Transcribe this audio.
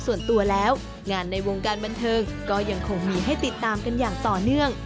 ส่วนตัวแล้วงานในวงการบันเทิงก็ยังคงมีให้ติดตามกันอย่างต่อเนื่อง